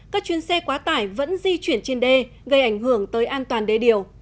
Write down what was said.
các chuyến xe quá tải vẫn di chuyển trên đê gây ảnh hưởng tới an toàn đê điều